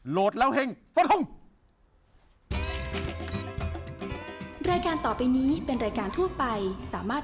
โหลดแล้วเห่งฟังทุ่ม